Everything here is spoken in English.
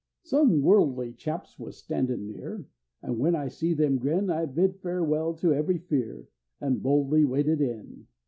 Some worldly chaps was standin' near; An' when I see them grin, I bid farewell to every fear, And boldly waded in.